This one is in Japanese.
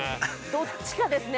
◆どっちかですね。